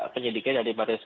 penyelidiknya dari baris